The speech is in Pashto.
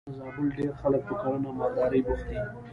د زابل ډېری خلک په کرنه او مالدارۍ بوخت دي.